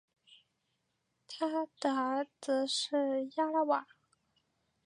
他的儿子是亚拉瓦。